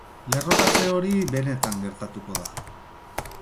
Lerrokatze hori benetan gertatuko da.